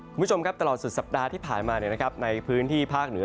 คุณผู้ชมครับตลอดสุดสัปดาห์ที่ผ่านมาในพื้นที่ภาคเหนือ